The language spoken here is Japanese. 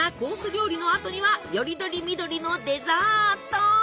料理のあとにはより取り見取りのデザート！